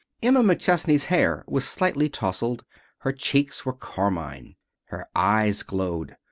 Emma McChesney's hair was slightly tousled. Her cheeks were carmine. Her eyes glowed.